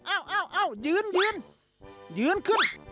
เอ้ายืนยืนขึ้น